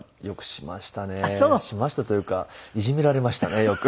しましたというかいじめられましたねよく。